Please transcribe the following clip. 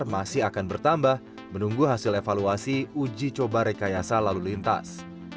masing masing sekolah yang lebih besar masih akan bertambah menunggu hasil evaluasi uji coba rekayasa lalu lintas